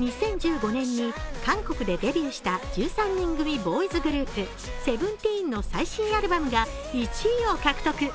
２０１５年に韓国でデビューした１３人組ボーイズグループ、ＳＥＶＥＮＴＥＥＮの最新アルバムが１位を獲得。